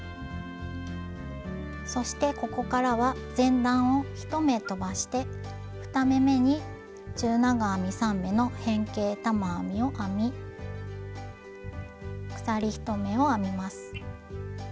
そしてここからは前段を１目飛ばして２目めに中長編み３目の変形玉編みを編み鎖１目を編みます。